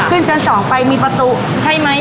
ขึ้นชั้น๒ไปมีประตูใช่ไหม